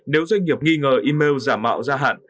nếu doanh nghiệp nghi ngờ email giả mạo ra hạn